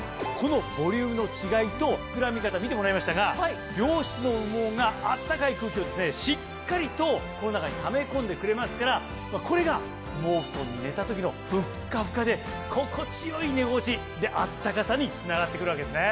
このボリュームの違いと膨らみ方見てもらいましたが良質の羽毛が暖かい空気をしっかりとこの中にため込んでくれますからこれが羽毛ふとんに寝た時のフッカフカで心地良い寝心地暖かさにつながってくるわけですね。